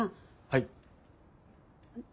はい。